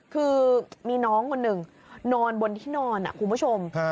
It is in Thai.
คือมีน้องนึงนอนบนที่นอนอ่ะคุณผู้ชมฮะ